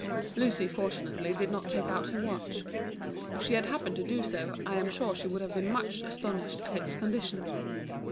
Lucy fortunately did not take out her watch. If she had happened to do so, I am sure she would have been much astonished at its condition.